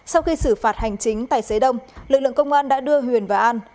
sau khi xử phạt hành chính tài xế đông lực lượng công an đã đưa huyền và an